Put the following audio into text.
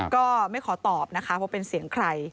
ก็ไม่ขอตอบนะคะว่าเป็นเสียงใคร